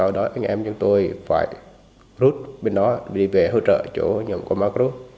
nói anh em chúng tôi phải rút bên đó đi về hỗ trợ chỗ nhóm của amagru